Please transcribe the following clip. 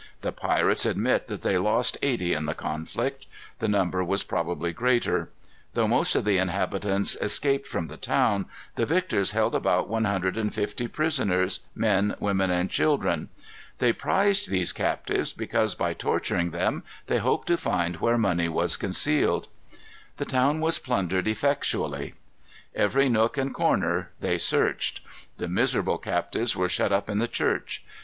The pirates admit that they lost eighty in the conflict. The number was probably greater. Though most of the inhabitants escaped from the town, the victors held about one hundred and fifty prisoners, men, women, and children. They prized these captives because, by torturing them, they hoped to find where money was concealed. The town was plundered effectually. Every nook and corner they searched. The miserable captives were shut up in the church.